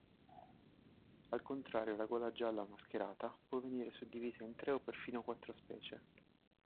Al contrario la golagialla mascherata può venire suddivisa in tre o perfino quattro specie.